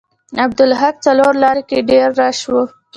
عبدالحق څلور لارې کې ډیر رش و.